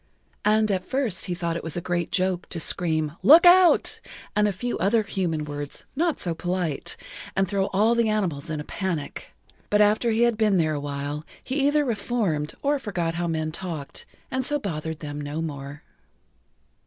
And at first he thought it a great joke to scream "Look out," and a few other human words not[Pg 11] so polite, and throw all the animals in a panic. But after he had been there a while he either reformed or forgot how men talked and so bothered them no more.